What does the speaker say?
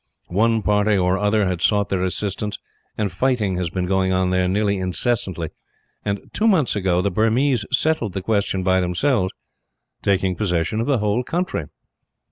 One party or other has sought their assistance, and fighting has been going on there nearly incessantly and, two months ago, the Burmese settled the question by themselves taking possession of the whole country.